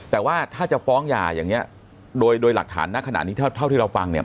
แต่ว่าถ้าจะฟ้องหย่าอย่างนี้โดยหลักฐานนั้นขนาดนี้เท่าที่เราฟังเนี่ย